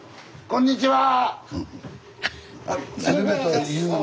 こんにちは。